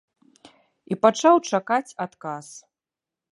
І пачаў чакаць адказ.